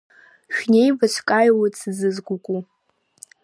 Шәнеибац каҩуеит сзызгәыку.